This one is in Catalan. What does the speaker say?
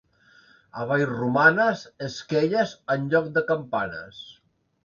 A Vallromanes, esquelles en lloc de campanes.